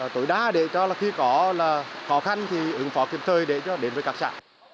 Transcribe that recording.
tối đa để cho khi có khó khăn thì ứng phó kiếm trời để cho đến với các xã